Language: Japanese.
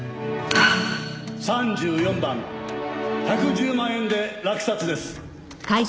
３４番１１０万円で落札です。